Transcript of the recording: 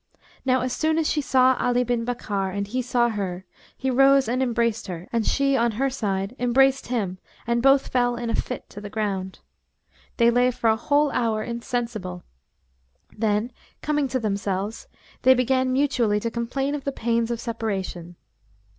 Now as soon as she saw Ali bin Bakkar and he saw her, he rose and embraced her, and she on her side embraced him and both fell in a fit to the ground. They lay for a whole hour insensible; then, coming to themselves, they began mutually to complain of the pains of separation.